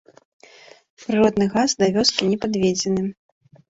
Прыродны газ да вёскі не падведзены.